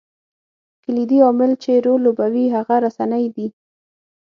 کلیدي عامل چې رول لوبوي هغه رسنۍ دي.